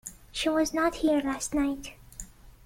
She was not here last night.